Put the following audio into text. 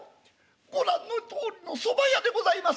「ご覧のとおりのそば屋でございます。